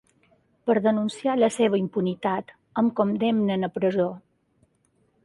Per denunciar la seva impunitat, em condemnen a presó.